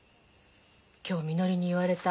今日みのりに言われた。